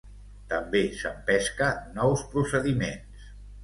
També s'empesca nous procediments.